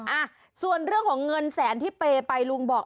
อ่ะส่วนเรื่องของเงินแสนที่เปย์ไปลุงบอก